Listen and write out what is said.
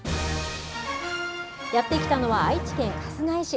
やって来たのは、愛知県春日井市。